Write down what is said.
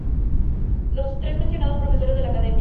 Los tres mencionados profesores de la Academia.